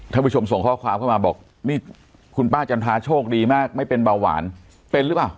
ผู้ชมส่งข้อความเข้ามาบอกนี่คุณป้าจันทราโชคดีมากไม่เป็นเบาหวานเป็นหรือเปล่า